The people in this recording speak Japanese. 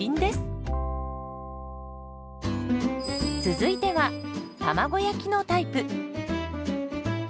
続いては卵焼きのタイプ。